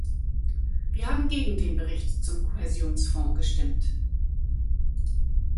Wie haben gegen den Bericht zum Kohäsionsfonds gestimmt.